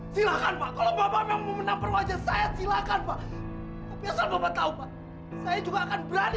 silakan pak kalau bapak mau menampar wajah saya silakan pak bapak tahu saya juga akan berani